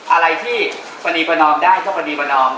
อะไรที่ปณีปนมได้ก็ปณีปนม